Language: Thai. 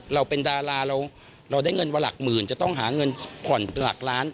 เราเป็นดาราเราได้เงินมาหลักหมื่นจะต้องหาเงินผ่อนหลักล้าน